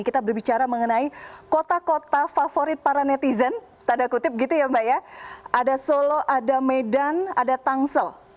kita berbicara mengenai kota kota favorit para netizen tanda kutip gitu ya mbak ya ada solo ada medan ada tangsel